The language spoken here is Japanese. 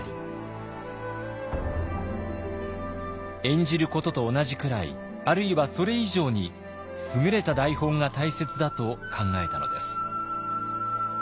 演じることと同じくらいあるいはそれ以上に優れた台本が大切だと考えたのです。